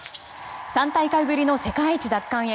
３大会ぶりの世界一奪還へ